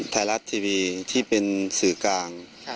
ไทยรัฐทีวีที่เป็นสื่อกลาง